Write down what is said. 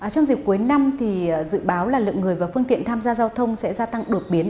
trong dịp cuối năm thì dự báo là lượng người và phương tiện tham gia giao thông sẽ gia tăng đột biến